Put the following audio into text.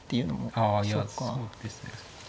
あいやそうですね。